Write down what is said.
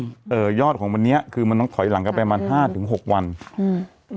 เอ่อยอดของวันนี้คือมันต้องถอยหลังกันไปประมาณห้าถึงหกวันอืม